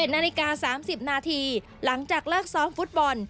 ๑นาฬิกา๓๐นาทีหลังจากเลิกซ้อมฟุตบอล